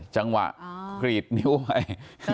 จังหวะกรีดนิ้วไว้